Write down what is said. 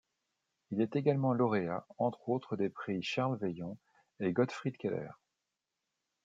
Il est également lauréat, entre autres, des prix Charles Veillon et Gottfried Keller.